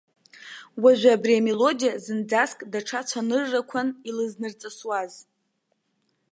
Уажәы убри амелодиа зынӡаск даҽа цәаныррақәан илызнарҵысуаз.